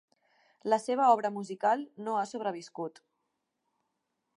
La seva obra musical no ha sobreviscut.